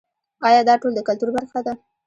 آیا دا ټول د کلتور برخه ده؟